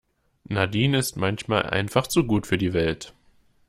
Nadine ist manchmal einfach zu gut für die Welt.